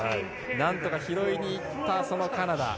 何とか拾いにいったカナダ。